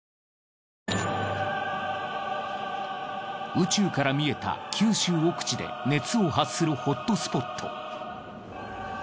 宇宙から見えた九州奥地で熱を発するホットスポット。